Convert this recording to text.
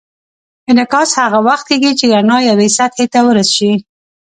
انعکاس هغه وخت کېږي چې رڼا یوې سطحې ته ورشي.